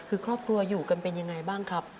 คือครอบครัวอยู่กันเป็นยังไงบ้างครับ